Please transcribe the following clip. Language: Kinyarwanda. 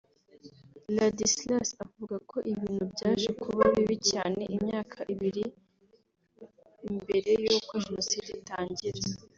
Ladislas avuga ko ibintu byaje kuba bibi cyane imyaka ibiri mbere y’uko Jenoside itangira